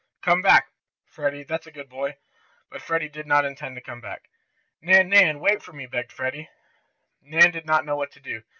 "Come back, Freddie; that's a good boy!" But Freddie did not intend to come back. "Nan, Nan! Wait for me!" begged Freddie. Nan did not know what to do.